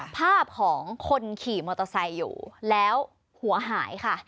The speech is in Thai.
ภาพของคนขี่มอเตอร์ไซค์อยู่แล้วหัวหายค่ะ